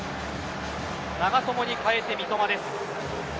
長友に代えて三笘です。